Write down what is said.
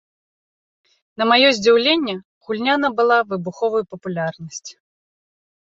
На маё здзіўленне, гульня набыла выбуховую папулярнасць.